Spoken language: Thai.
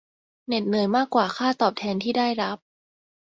เหน็ดเหนื่อยมากกว่าค่าตอบแทนที่ได้รับ